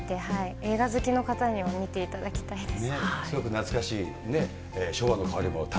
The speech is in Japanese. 映画好きの方には見ていただきたいです。